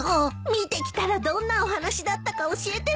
見てきたらどんなお話だったか教えてね。